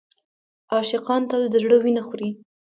عاشقان تل د زړه وینه خوري.